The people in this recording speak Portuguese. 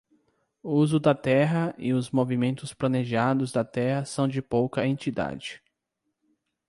O uso da terra e os movimentos planejados da terra são de pouca entidade.